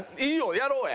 やろうや。